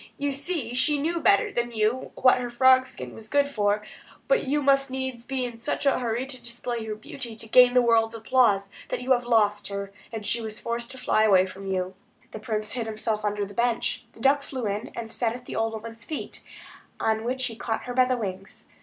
"You see she knew better than you what her frog skin was good for; but you must needs be in such a hurry to display her beauty, to gain the world's applause, that you have lost her; and she was forced to fly away from you." [Illustration: THE WAY HOME] The prince hid himself under the bench: the duck flew in and sat at the old woman's feet; on which he caught her by the wings.